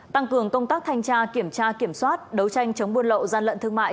tăng cường công tác thanh tra kiểm tra kiểm soát đấu tranh chống buôn lậu gian lận thương mại